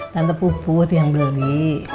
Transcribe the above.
tante puput yang beli